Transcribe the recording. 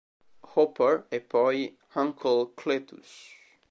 Hopper e poi Uncle Cletus.